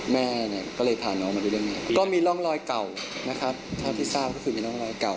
แม่เนี่ยก็เลยพาน้องมาดูเรื่องนี้ก็มีร่องรอยเก่านะครับเท่าที่ทราบก็คือมีร่องรอยเก่า